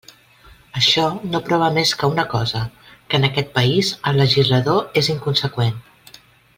Això no prova més que una cosa, que en aquest país el legislador és inconseqüent.